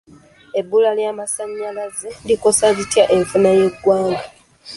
Ebbula ly'amasanyalaze likosa litya enfuna y'eggwanga?